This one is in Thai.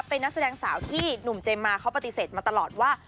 เป็นนักแสดงสาวที่หนุ่มเจมมาเขาปฏิเสธมาตลอดว่า